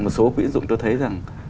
một số quyến dụng tôi thấy rằng